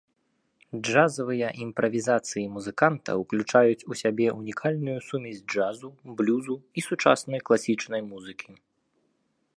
Джазавыя імправізацыі музыканта ўключаюць у сябе унікальную сумесь джазу, блюзу і сучаснай класічнай музыкі.